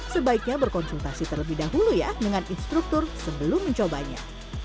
sebaiknya berkonsultasi terlebih dahulu ya dengan instruktur sebelum mencobanya